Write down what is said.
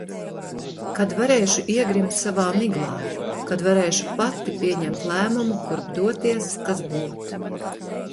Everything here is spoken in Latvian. Kad varēšu iegrimt savā miglā. Kad varēšu pati pieņemt lēmumu, kurp doties, kas būt.